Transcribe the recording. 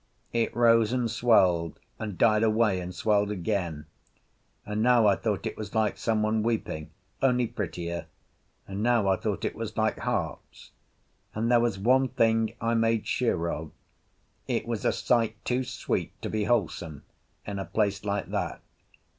It rose and swelled, and died away and swelled again; and now I thought it was like someone weeping, only prettier; and now I thought it was like harps; and there was one thing I made sure of, it was a sight too sweet to be wholesome in a place like that.